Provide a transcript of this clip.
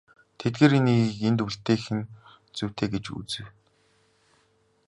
Тэдгээрийн нэгийг энд өгүүлэх нь зүйтэй гэж үзнэ.